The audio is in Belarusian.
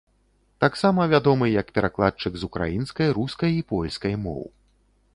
Таксама вядомы як перакладчык з украінскай, рускай і польскай моў.